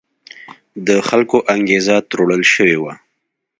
د خلکو انګېزه تروړل شوې وه.